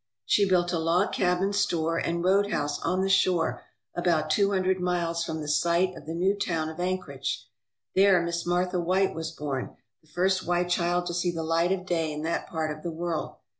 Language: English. She built a log cabin store and roadhouse on the shore about two hundred miles from the site of the new town of Anchorage. There Miss Martha White was born, the first white child to see the light of day in that part of the world.